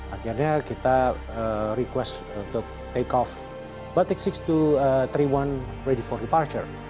akhirnya kita request untuk take off batik enam ribu dua ratus tiga puluh satu ready for departure